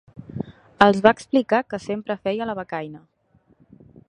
Els va explicar que sempre feia la becaina.